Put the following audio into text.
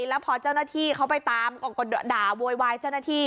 แล้วพอเจ้าหน้าที่เขาไปตามก็ด่าโวยวายเจ้าหน้าที่